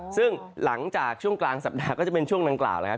ซึ่งหลังจากช่วงกลางสัปดาห์ก็จะเป็นช่วงดังกล่าวแล้วครับ